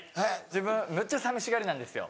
自分むっちゃ寂しがりなんですよ。